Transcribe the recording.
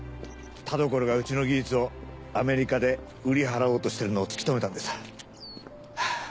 田所がうちの技術をアメリカで売り払おうとしてるのを突き止めたんです。